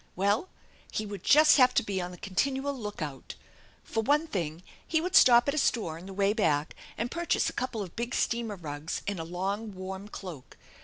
Well, he would just have to be on the continual lookout. For one thing he would stop at a etore on the way back and purchase a couple of big steamer rugs and a long warm cloak.